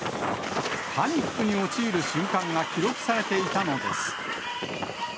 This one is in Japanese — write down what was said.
パニックに陥る瞬間が記録されていたのです。